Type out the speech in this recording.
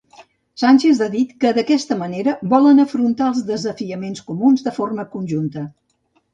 Sánchez ha dit que d'aquesta manera volen afrontar els desafiaments comuns de forma conjunta.